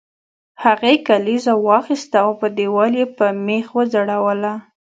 هغې کلیزه واخیسته او په دیوال یې په میخ وځړوله